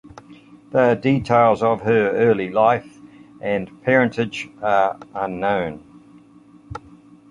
The details of her early life and parentage are unknown.